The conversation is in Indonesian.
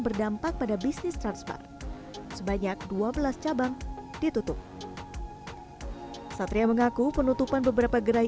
berdampak pada bisnis transfer sebanyak dua belas cabang ditutup satria mengaku penutupan beberapa gerai